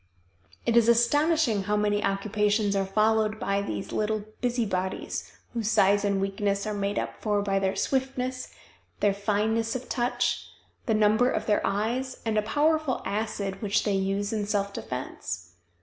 It is astonishing how many occupations are followed by these little busy bodies whose size and weakness are made up for by their swiftness, their fineness of touch, the number of their eyes and a powerful acid which they use in self defense.